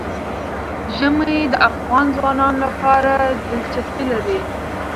ژمی د افغان ځوانانو لپاره دلچسپي لري.